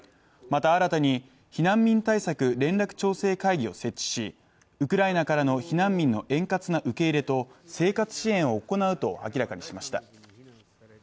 また新たに避難民対策連絡調整会議を設置し、ウクライナからの避難民の円滑な受け入れと生活支援を行うと明らかしました。